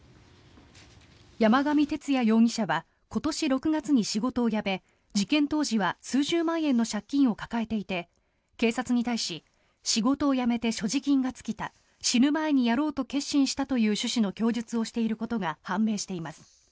山上徹也容疑者は今年６月に仕事を辞め事件当時は数十万円の借金を抱えていて警察に対し仕事を辞めて所持金が尽きた死ぬ前にやろうと決心したという趣旨の供述をしていることが判明しています。